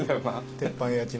鉄板焼きの。